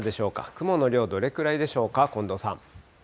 雲の量、どれくらいでしょうか。